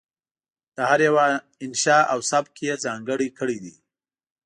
د هر یوه انشأ او سبک یې ځانګړی کړی دی.